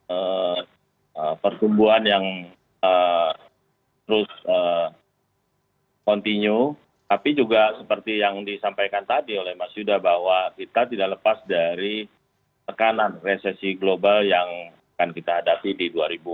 ada pertumbuhan yang terus kontinu tapi juga seperti yang disampaikan tadi oleh mas yuda bahwa kita tidak lepas dari tekanan resesi global yang akan kita hadapi di dua ribu dua puluh